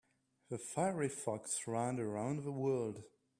The fiery fox ran around the world.